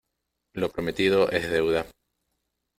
Lo prometido es deuda.